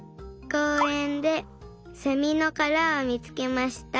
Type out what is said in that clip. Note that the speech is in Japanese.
こうえんでセミのからをみつけました。